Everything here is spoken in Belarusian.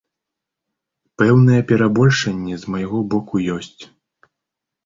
Пэўнае перабольшанне з майго боку ёсць.